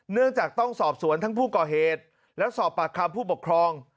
เนื่องจากต้องสอบสวนทั้งผู้ก่อเหตุและสอบปากคำผู้ปกครอง